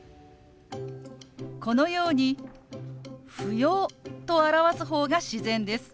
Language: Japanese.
このように「不要」と表す方が自然です。